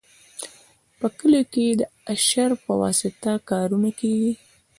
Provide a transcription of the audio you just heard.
په کلیو کې د اشر په واسطه کارونه کیږي.